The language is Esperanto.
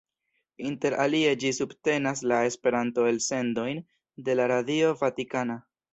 Inter alie ĝi subtenas la Esperanto-elsendojn de la Radio Vatikana.